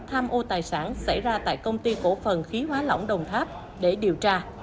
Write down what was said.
tham ô tài sản xảy ra tại công ty cổ phần khí hóa lỏng đồng tháp để điều tra